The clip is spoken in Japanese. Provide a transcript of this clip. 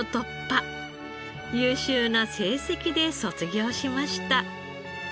優秀な成績で卒業しました。